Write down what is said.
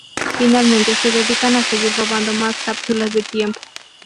Finalmente se dedican a seguir robando más cápsulas de tiempo.